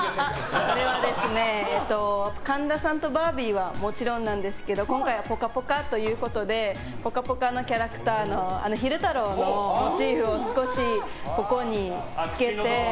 これは神田さんとバービーはもちろんなんですけど今回は「ぽかぽか」ということで「ぽかぽか」のキャラクターの昼太郎のモチーフを少し襟元につけて。